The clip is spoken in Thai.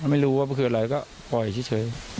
มันไม่รู้ว่าคืออะไรก็ปล่อยเฉยถึง